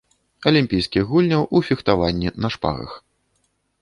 Алімпійскіх гульняў у фехтаванні на шпагах.